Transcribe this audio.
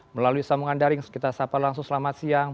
melalui sambungan daring kita sapa langsung selamat siang